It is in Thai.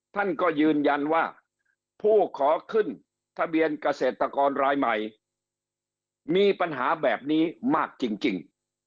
ท่านก็ยืนยันว่าผู้ขอขึ้นทะเบียนเกษตรกรรายใหม่มีปัญหาแบบนี้มากจริง